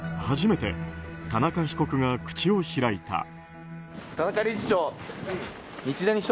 初めて田中被告が口を開いた。